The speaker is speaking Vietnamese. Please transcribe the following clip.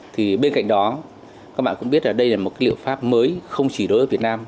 thì bên cạnh đó các bạn cũng biết là đây là một cái liệu pháp mới không chỉ đối với việt nam